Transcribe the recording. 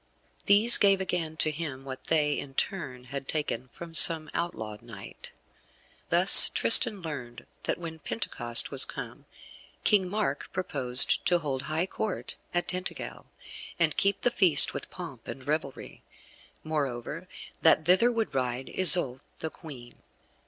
These gave again to him what they, in turn, had taken from some outlawed knight. Thus Tristan learned that when Pentecost was come King Mark purposed to hold high Court at Tintagel, and keep the feast with pomp and revelry; moreover that thither would ride Isoude, the Queen.